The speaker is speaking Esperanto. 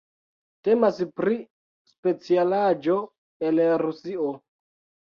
Temas pri specialaĵo el Rusio.